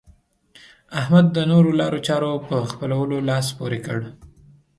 احمد د نورو لارو چارو په خپلولو لاس پورې کړ.